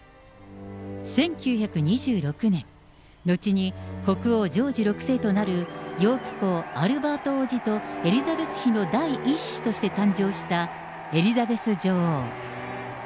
１９２６年、後に国王ジョージ６世となるヨーク公アルバート王子とエリザベス妃の第１子として誕生したエリザベス女王。